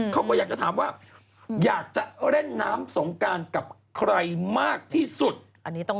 เขาก็อยากจะถามว่าอยากจะเล่นน้ำสงการกับใครมากที่สุดอันนี้ต้อง